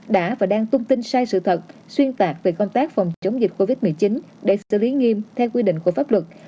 đã và đang tung tin sai sự thật xuyên tạc về công tác phòng chống dịch covid một mươi chín để xử lý nghiêm theo quy định của pháp luật